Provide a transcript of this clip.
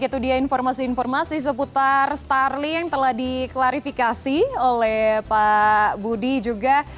itu dia informasi informasi seputar starling yang telah diklarifikasi oleh pak budi juga